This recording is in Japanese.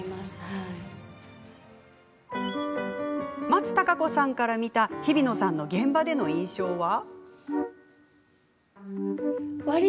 松たか子さんから見たひびのさんの現場での印象は？